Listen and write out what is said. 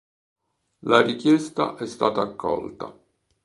La richiesta è stata accolta.